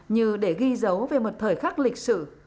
như để ghi dấu về một thời khắc lịch sử